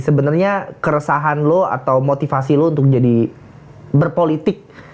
sebenarnya keresahan lo atau motivasi lo untuk jadi berpolitik